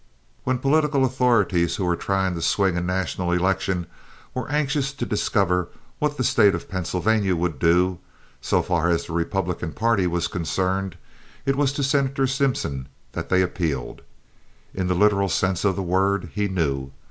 When the political authorities who were trying to swing a national election were anxious to discover what the State of Pennsylvania would do, so far as the Republican party was concerned, it was to Senator Simpson that they appealed. In the literal sense of the word, he knew.